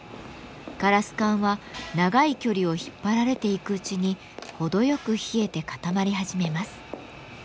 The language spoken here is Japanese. ガラス管は長い距離を引っ張られていくうちに程よく冷えて固まり始めます。